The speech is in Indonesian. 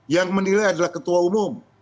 yang menilai adalah ketua umum